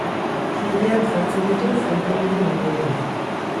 Tildeak jartzen ditu falta diren lekuetan.